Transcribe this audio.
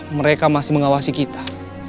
mereka masih mengawasi kita